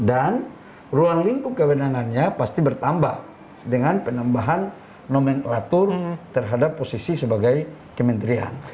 dan ruang lingkung kewenangannya pasti bertambah dengan penambahan nomenklatur terhadap posisi sebagai kementerian